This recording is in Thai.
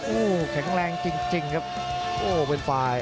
โอ้โหแข็งแรงจริงจริงครับโอ้เป็นฝ่าย